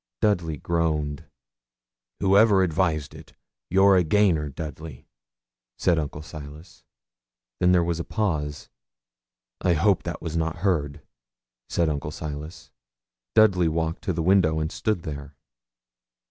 Dudley groaned. 'Whoever advised it, you're a gainer, Dudley,' said Uncle Silas. Then there was a pause. 'I hope that was not heard,' said Uncle Silas. Dudley walked to the window and stood there.